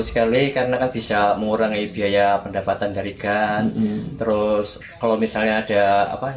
sekali karena bisa mengurangi biaya pendapatan dari gas terus kalau misalnya ada apa